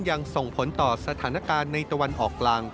ยังส่งผลต่อสถานการณ์ในตะวันออกกลาง